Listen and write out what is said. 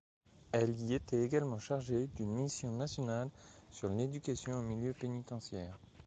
Elle y était également chargée d’une mission nationale sur l’éducation en milieu pénitentiaire.